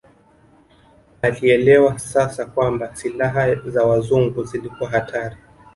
Alielewa sasa kwamba silaha za Wazungu zilikuwa hatari